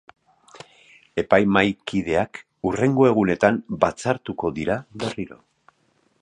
Epaimahaikideak hurrengo egunetan batzartuko dira berriro.